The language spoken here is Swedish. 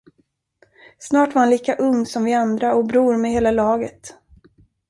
Snart var han lika ung som vi andra och bror med hela laget.